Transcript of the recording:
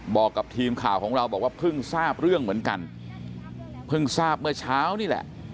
บอกกับทีมข่าวของเราบอกว่าเพิ่งทราบเรื่องเหมือนกันเพิ่งทราบเมื่อเช้านี่แหละ